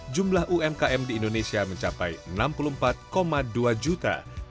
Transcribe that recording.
jumlah umkm di indonesia mencapai enam puluh empat dua juta